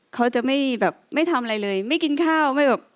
เขาจะไม่ทำอะไรเลยไม่กินข้าว